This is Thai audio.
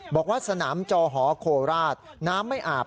บอกว่าสนามจอหอโคราชน้ำไม่อาบ